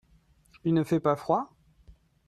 Il ne fait pas froid ?